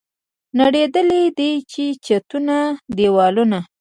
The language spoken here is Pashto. نړېدلي دي چتونه، دیوالونه